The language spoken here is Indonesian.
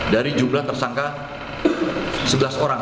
dari jumlah tersangka sebelas orang